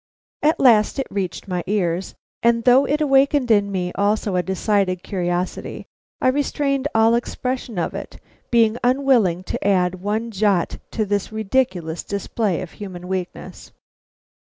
At last it reached my ears, and though it awakened in me also a decided curiosity, I restrained all expression of it, being unwilling to add one jot to this ridiculous display of human weakness.